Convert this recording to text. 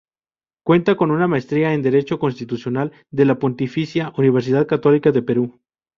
Cuenta con una maestría en Derecho Constitucional de la Pontificia Universidad Católica del Perú.